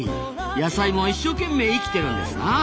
野菜も一生懸命生きてるんですな。